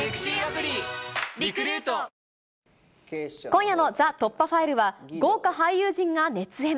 今夜のＴＨＥ突破ファイルは、豪華俳優陣が熱演。